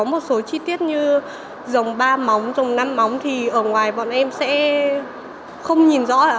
có một số chi tiết như dòng ba móng dòng năm móng thì ở ngoài bọn em sẽ không nhìn rõ